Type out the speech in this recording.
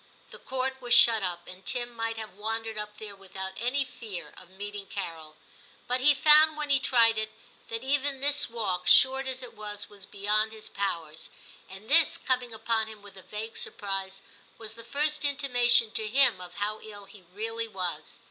The Court was shut up, and Tim might have wandered up there without any fear of meeting Carol. But he found, when he tried it, that even this walk, short as it was, was beyond his powers, and this, coming upon him with a vague surprise, was the first intimation to him of how ill he really was.